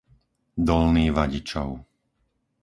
Dolný Vadičov